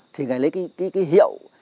thì ngài lấy cái hiệu